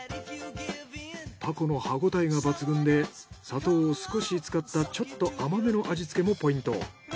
タコの歯ごたえが抜群で砂糖を少し使ったちょっと甘めの味つけもポイント。